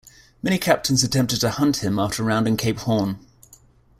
Many captains attempted to hunt him after rounding Cape Horn.